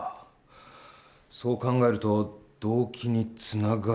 そう考えると動機につながるものが。